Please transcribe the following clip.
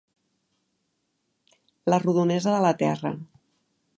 La rodonesa de la Terra.